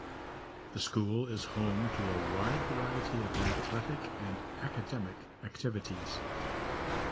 The school is home to a wide variety of athletic and academic activities.